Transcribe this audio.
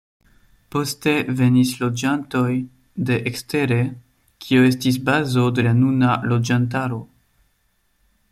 Poste venis loĝantoj de ekstere kio estis bazo de la nuna loĝantaro.